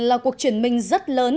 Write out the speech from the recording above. là cuộc truyền minh rất lớn